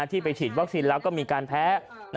ที่ไปฉีดวัคซีนแล้วก็มีการแพ้